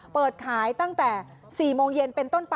เปิดขายตั้งแต่๔โมงเย็นเป็นต้นไป